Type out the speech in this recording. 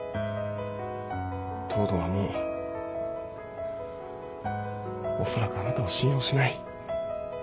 藤堂はもうおそらくあなたを信用しない。